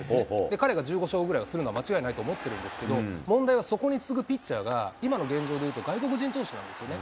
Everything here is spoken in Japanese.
彼が１５勝ぐらいするのは間違いないと思ってるんですけれども、問題はそこに次ぐピッチャーが、今の現状でいうと外国人投手なんですよね。